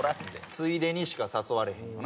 ついでにしか誘われへんのな。